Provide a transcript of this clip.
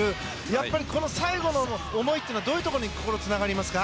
やっぱり最後の思いはどういうところに心、つながりますか。